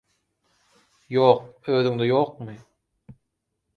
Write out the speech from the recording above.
– Ýok. Özüňde ýokmy?